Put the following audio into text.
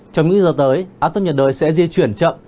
trong những giờ tới áp thấp nhiệt đới sẽ di chuyển chậm